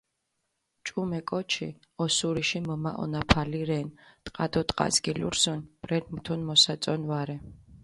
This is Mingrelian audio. ჭუმე კოჩი ოსურიში მჷმაჸონაფალი რენ, ტყა დო ტყას გილურსჷნ, ბრელი მუთუნ მოსაწონი ვარე.